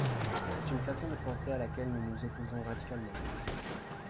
C’est une façon de penser à laquelle nous nous opposons radicalement.